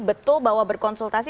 betul bahwa berkonsultasi